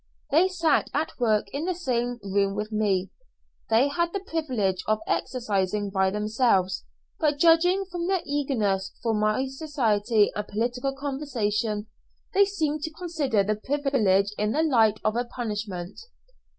They sat at work in the same room with me; they had the privilege of exercising by themselves, but judging from their eagerness for my society and political conversation, they seemed to consider the privilege in the light of a punishment.